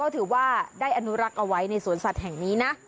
ถือว่าได้อนุรักษ์เอาไว้ในสวนสัตว์แห่งนี้นะ